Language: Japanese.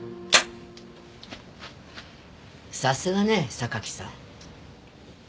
さすがね榊さん。